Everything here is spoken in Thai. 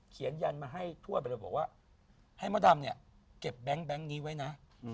ยันมาให้ทั่วไปเลยบอกว่าให้มดดำเนี่ยเก็บแบงค์นี้ไว้นะ